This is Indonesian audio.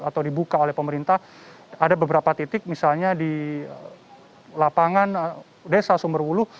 atau dibuka oleh pemerintah ada beberapa titik misalnya di lapangan desa sumberwuluh